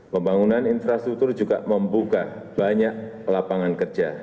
pembangunan infrastruktur juga membuka banyak lapangan kerja